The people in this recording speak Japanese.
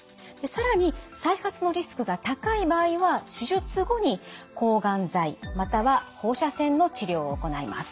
更に再発のリスクが高い場合は手術後に抗がん剤または放射線の治療を行います。